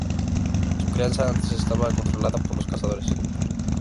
Su crianza antes estaba controlada por los cazadores.